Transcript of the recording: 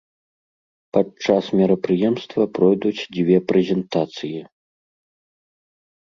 Падчас мерапрыемства пройдуць дзве прэзентацыі.